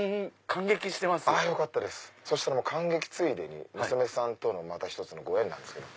感激ついでに娘さんとのまた一つのご縁なんですけど。